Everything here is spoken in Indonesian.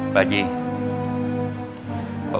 bagi yang lain aku akan mencari